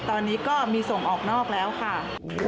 ตอนนี้ก็มีส่งออกนอกแล้วค่ะ